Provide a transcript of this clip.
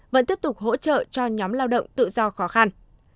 vẫn tiếp tục hỗ trợ cho nhóm lao động tự do khó khăn